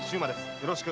よろしく。